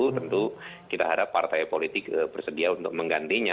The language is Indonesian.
tentu kita harap partai politik bersedia untuk menggantinya